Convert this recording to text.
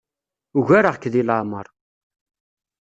Ugareɣ-k deg leɛmeṛ.